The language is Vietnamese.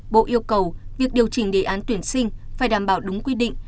bộ yêu cầu việc điều chỉnh đề án tuyển sinh phải đảm bảo đúng quy định